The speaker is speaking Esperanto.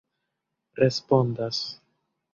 respondas